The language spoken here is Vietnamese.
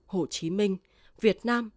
hồ chí minh việt nam